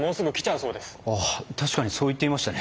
ああ確かにそう言っていましたね。